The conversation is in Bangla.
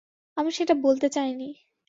আমি সেটা বলতে চাইনি।